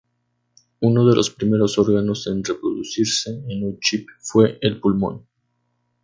Uno de los primeros órganos en reproducirse en un chip fue el pulmón.